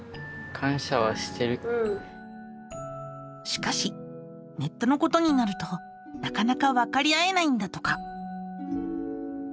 しかしネットのことになるとなかなかわかり合えないんだとか。